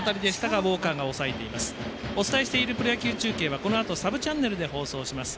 お伝えしているプロ野球中継はこのあとサブチャンネルで放送します。